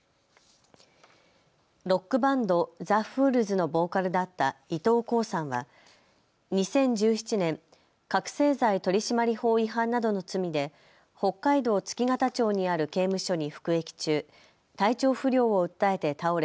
ロックバンド、ＴＨＥＦＯＯＬＳのボーカルだった伊藤耕さんは２０１７年、覚醒剤取締法違反などの罪で北海道月形町にある刑務所に服役中、体調不良を訴えて倒れ